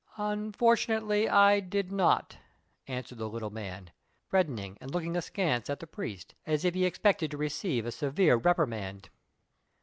"Unfortunately I did not," answered the little man, reddening and looking askance at the priest, as if he expected to receive a severe reprimand.